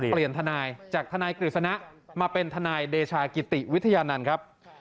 เปลี่ยนทนายจากทนายกริษณะมาเป็นทนายเดชากิติวิทยานั่นครับ